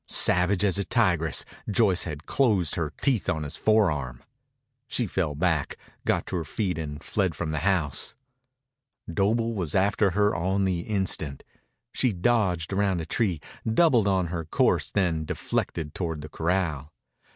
Savage as a tigress, Joyce had closed her teeth on his forearm. She fell back, got to her feet, and fled from the house. Doble was after her on the instant. She dodged round a tree, doubled on her course, then deflected toward the corral.